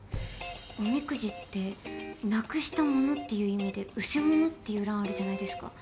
おみくじって「失くしたもの」っていう意味で「失せ物」っていう欄あるじゃないですか。